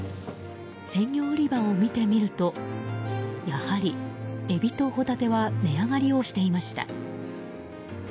鮮魚売り場を見てみるとやはり、エビとホタテは値上がりをしていました。